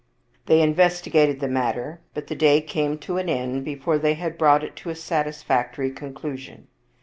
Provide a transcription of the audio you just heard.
They investigated the matter, but the day came to an end before they had brought it to a satisfactory con clusion.